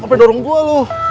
sampai dorong gua lu